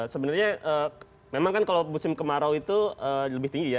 sebenarnya memang kan kalau musim kemarau itu lebih tinggi ya